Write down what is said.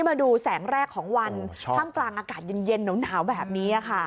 มาดูแสงแรกของวันท่ามกลางอากาศเย็นหนาวแบบนี้ค่ะ